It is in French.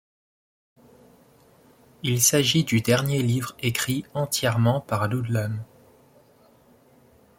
Il s'agit du dernier livre écrit entièrement par Ludlum.